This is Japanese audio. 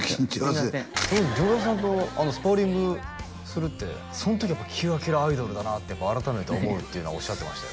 すいません丈弥さんとスパーリングするってそん時はキラキラアイドルだなって改めて思うっていうのはおっしゃってましたよ